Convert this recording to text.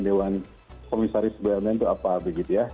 tugasnya dewan komisaris bumn itu apa